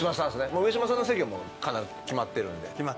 上島さんの席は必ず決まってる。